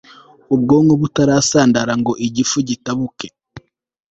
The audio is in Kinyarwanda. ubwonko butarasandara ngo igifu gitabuke